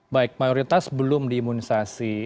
baik mayoritas belum diimunisasi